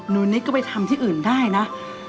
นุษย์ก็ไปทำที่อื่นได้นะ